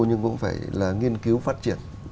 nhưng cũng phải là nghiên cứu phát triển